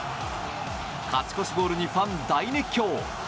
勝ち越しゴールにファン大熱狂！